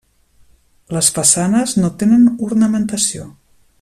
Les façanes no tenen ornamentació.